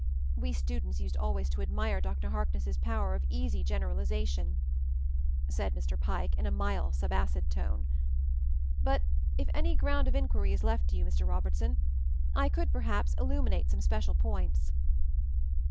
"We students used always to admire Dr. Harkness' power of easy generalization," said Mr. Pike, in a mild, subacid tone, "but if any ground of inquiry is left to you, Mr. Robertson, I could, perhaps, illuminate some special points."